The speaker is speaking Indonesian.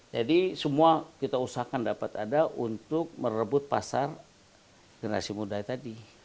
jadi semua kita usahakan dapat ada untuk merebut pasar generasi muda tadi